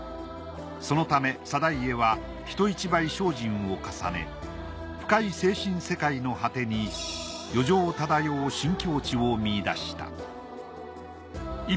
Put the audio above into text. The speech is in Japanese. そのため定家は人一倍精進を重ね深い精神世界の果てに余情漂う新境地を見出した。